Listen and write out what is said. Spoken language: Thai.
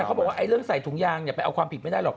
ก็บอกว่าความผิดคนมีไปได้หรอก